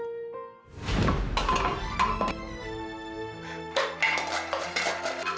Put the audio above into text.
aneh ngerti kan cuaca ini